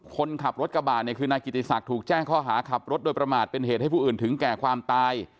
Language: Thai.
คนขับรถกระบะเนี่ยคือนายกิติศักดิ์ถูกแจ้งข้อหาขับรถโดยประมาทเป็นเหตุให้ผู้อื่นถึงแก่ความตาย